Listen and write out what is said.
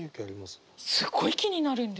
すごい気になるんですよ。